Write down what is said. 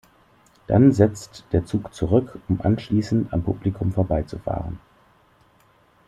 Dann setzt der Zug zurück, um anschließend am Publikum vorbei zu fahren.